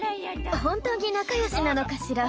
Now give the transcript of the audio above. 本当に仲よしなのかしら。